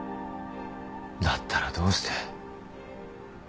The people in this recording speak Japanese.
だったらどうして。